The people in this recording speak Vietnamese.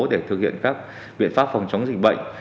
để thực hiện các biện pháp phòng chống dịch bệnh